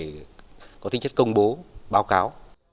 trưng bày có tính chất công bố báo cáo